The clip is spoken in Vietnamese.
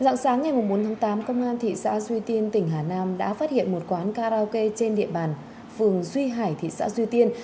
dạng sáng ngày bốn tháng tám công an thị xã duy tiên tỉnh hà nam đã phát hiện một quán karaoke trên địa bàn phường duy hải thị xã duy tiên